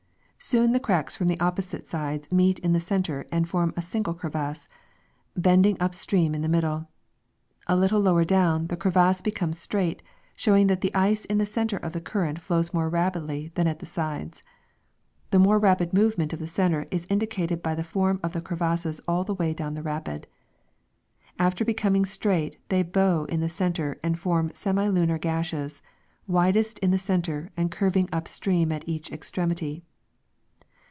Soon the cracks from the opposite sides meet in the center and form a single crevasse, bending upstream in the middle. A little lower down, the crevasse becomes straight, showing that the ice in the center of the current flows more rapidly than at the sides. The more rapid movement of the center is indicated by the form of the crevasses all the way down the rapid. After becoming straight they bow, in the center and form semi lunar gashes, widest in the center and curving up stream at each ex tremity.